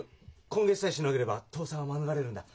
今月さえしのげれば倒産は免れるんだ。